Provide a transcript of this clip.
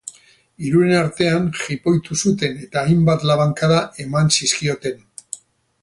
Hiruren artean jipoitu zuten eta hainbat labankada eman zizkioten.